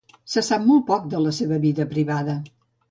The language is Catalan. Se sap molt poc de la seva vida privada.